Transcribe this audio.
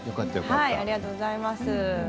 ありがとうございます。